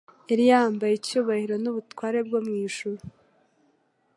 Yari yambaye icyubahiro n'ubutware bwo mu ijuru.